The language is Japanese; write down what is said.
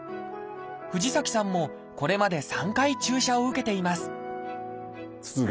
藤崎さんもこれまで３回注射を受けています